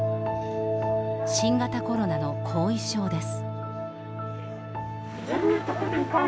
新型コロナの後遺症です。